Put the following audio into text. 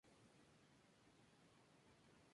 Este sigue siendo su uso normal en los ritos orientales.